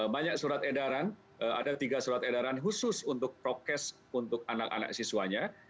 banyak surat edaran ada tiga surat edaran khusus untuk prokes untuk anak anak siswanya